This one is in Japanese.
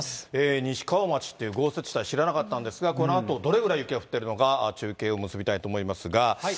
西川町って豪雪地帯、知らなかったんですが、このあとどれぐらい雪が降ってるのか、中継を結びたいと思いますが。